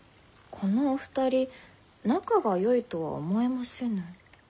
このお二人仲がよいとは思えませぬ。